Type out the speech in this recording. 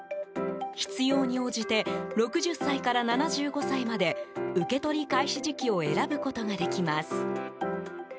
必要に応じて６０歳から７５歳まで受け取り開始時期を選ぶことができます。